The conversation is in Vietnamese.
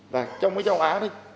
và trong cái châu á đó